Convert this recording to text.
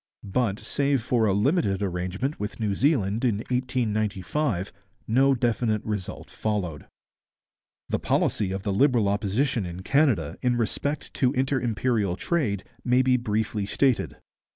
But, save for a limited arrangement with New Zealand in 1895, no definite result followed. The policy of the Liberal Opposition in Canada in respect to inter imperial trade may be briefly stated.